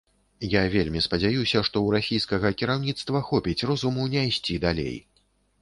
Я вельмі спадзяюся, што ў расійскага кіраўніцтва хопіць розуму не ісці далей.